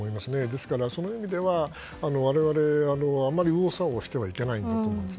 ですからそういう意味では我々、あまり右往左往してはいけないと思います。